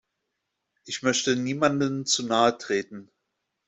Ich möchte niemandem zu nahe treten.